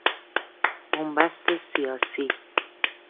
بنبست سیاسی